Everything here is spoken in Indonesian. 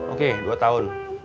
oke dua tahun